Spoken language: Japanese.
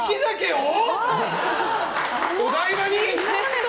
お台場に？